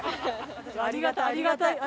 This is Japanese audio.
ありがたいありがたい。